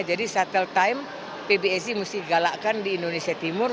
jadi shuttle time pbsi mesti galakkan di indonesia timur